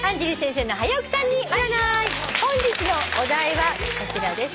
本日のお題はこちらです。